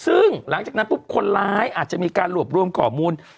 ซึ่งหลังจากนั้นปุ๊บคนร้ายอาจจะมีการรวบรวมข้อมูล